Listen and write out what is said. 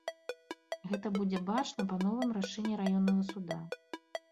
Гэта будзе бачна па новым рашэнні раённага суда.